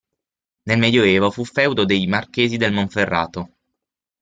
Nel Medioevo fu feudo dei marchesi del Monferrato.